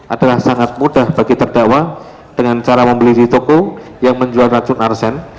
adalah sangat mudah bagi terdakwa dengan cara membeli di toko yang menjual racun arsen